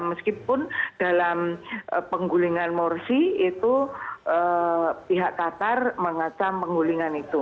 meskipun dalam penggulingan morsi itu pihak qatar mengacam penggulingan itu